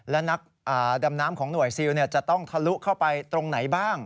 และนักดำน้ำของหน่วยซิลจะต้องทะลุเข้าไปตรงไหนบ้าง